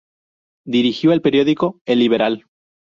Dirigió el periódico "El Liberal".